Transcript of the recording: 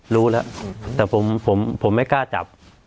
รู้แล้วแต่ผมไม่กล้าจับ